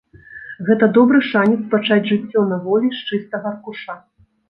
Гэта добры шанец пачаць жыццё на волі з чыстага аркуша.